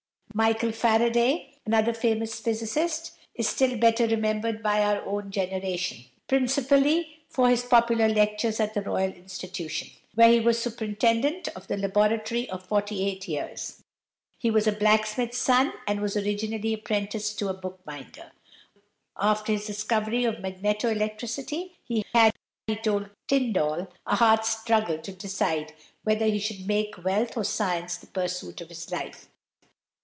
=Michael Faraday (1791 1867)=, another famous physicist, is still better remembered by our own generation, principally for his popular lectures at the Royal Institution, where he was superintendent of the laboratory for forty eight years. He was a blacksmith's son, and was originally apprenticed to a bookbinder. After his discovery of magneto electricity, he had, he told Tyndall, a hard struggle to decide whether he should make wealth or science the pursuit of his life.